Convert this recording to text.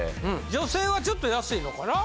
女性はちょっと安いのかな？